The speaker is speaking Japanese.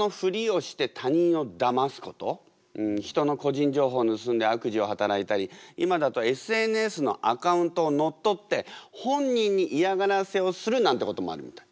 人の個人情報盗んで悪事を働いたり今だとＳＮＳのアカウントを乗っ取って本人に嫌がらせをするなんてこともあるみたい。